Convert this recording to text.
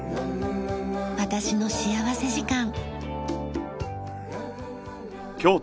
『私の幸福時間』。